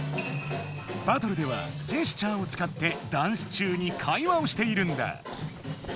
バトルではジェスチャーをつかってダンス中に会話をしているんだ。